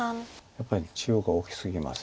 やっぱり中央が大きすぎます。